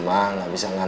maaf ya sayang ya